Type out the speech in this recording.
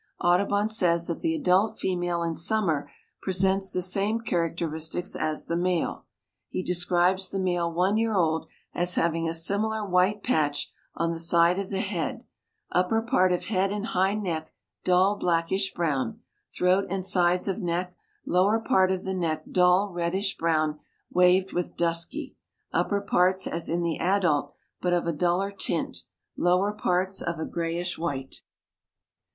Audubon says that the adult female in summer presents the same characteristics as the male. He describes the male one year old as having a similar white patch on the side of the head; upper part of head and hind neck dull blackish brown; throat and sides of neck, lower part of the neck dull reddish brown waved with dusky; upper parts as in the adult but of a duller tint, lower parts of a grayish white.